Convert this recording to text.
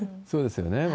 そうですよね。